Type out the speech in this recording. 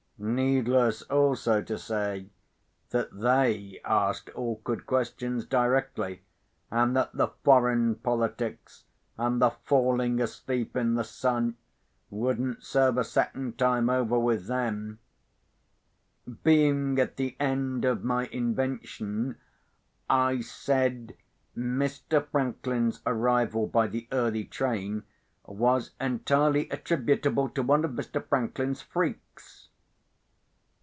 Needless also to say, that they asked awkward questions directly, and that the "foreign politics" and the "falling asleep in the sun" wouldn't serve a second time over with them. Being at the end of my invention, I said Mr. Franklin's arrival by the early train was entirely attributable to one of Mr. Franklin's freaks.